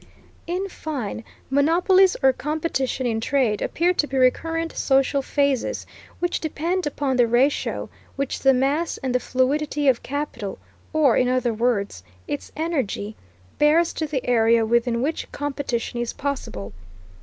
In fine, monopolies, or competition in trade, appear to be recurrent social phases which depend upon the ratio which the mass and the fluidity of capital, or, in other words, its energy, bears to the area within which competition is possible.